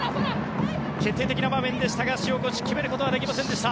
決定的な場面でしたが塩越決めることはできませんでした。